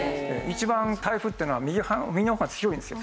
一番台風っていうのは右の方が強いんですよ。